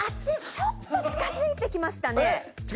ちょっと近づいて来ました。